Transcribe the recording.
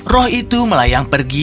roh itu melayang pergi